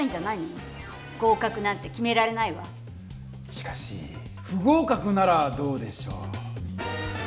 しかし不合かくならどうでしょう？